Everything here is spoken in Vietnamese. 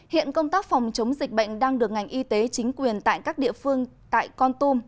hiện công tác phòng chống dịch bệnh đang được ngành y tế chính quyền tại các địa phương tại con tum